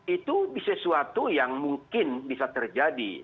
itu sesuatu yang mungkin bisa terjadi